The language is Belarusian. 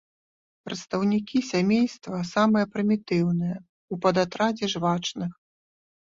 Прадстаўнікі сямейства самыя прымітыўныя ў падатрадзе жвачных.